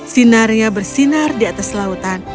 sinarnya bersinar di atas lautan